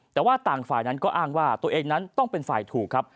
แต่ว่าต่างฝ่ายนั้นก็อ้างว่าตัวเองนั้นต้องเป็นฝ่ายถูกครับ